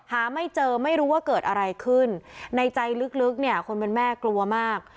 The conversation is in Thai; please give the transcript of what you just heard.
หาไม่เจอไม่รู้ว่าเกิดอะไรขึ้นในใจลึกเนี่ยคนเป็นแม่กลัวมาก